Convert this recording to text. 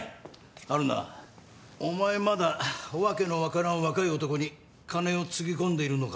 春菜お前まだ訳の分からん若い男に金をつぎ込んでいるのか。